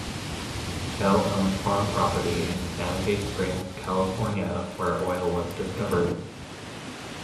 Bell owned farm property in Santa Fe Springs, California, where oil was discovered.